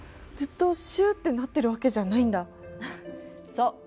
そう。